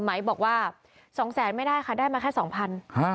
หมายบอกว่า๒๐๐๐๐๐บาทไม่ได้ค่ะได้มาแค่๒๐๐๐บาท